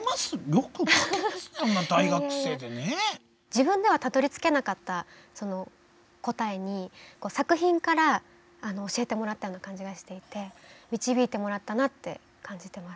自分ではたどりつけなかったその答えに作品から教えてもらったような感じがしていて導いてもらったなって感じてます。